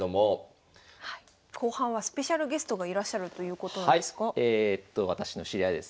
後半はスペシャルゲストがいらっしゃるということなんですが。